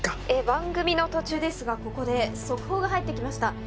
番組の途中ですがここで速報が入ってきました。